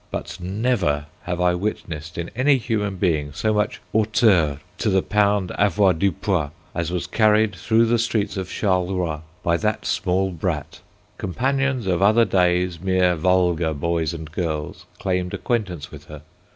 But never have I witnessed in any human being so much hauteur to the pound avoir dupois as was carried through the streets of Charleroi by that small brat. Companions of other days, mere vulgar boys and girls, claimed acquaintance with her.